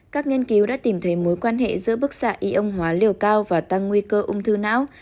các nghiên cứu đã tìm thấy mối quan hệ giữa bức xạ y âm hóa liều cao và tăng nguy cơ ung thư não